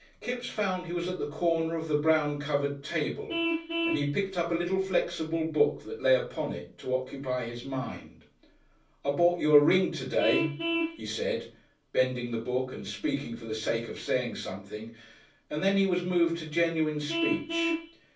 Kipps found he was at the corner of the brown covered table, and he picked up a little flexible book that lay upon it to occupy his mind. "I bought you a ring to day," he said, bending the book and speaking for the sake of saying something, and then he was moved to genuine speech.